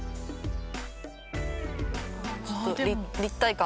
ちょっと立体感。